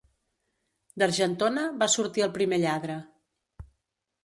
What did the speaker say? D'Argentona va sortir el primer lladre.